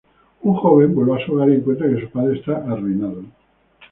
Un joven vuelve a su hogar y encuentra que su padre está arruinado.